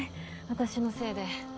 私のせいで。